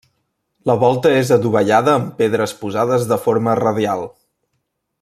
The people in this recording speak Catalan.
La volta és adovellada amb pedres posades de forma radial.